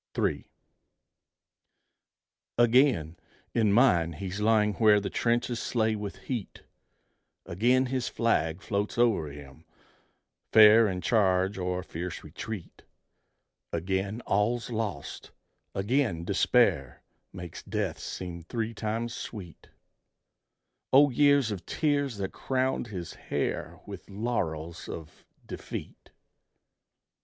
III. Again, in mind, he's lying where The trenches slay with heat; Again his flag floats o'er him, fair In charge or fierce retreat: Again all's lost; again despair Makes death seem three times sweet O years of tears that crowned his hair With laurels of defeat!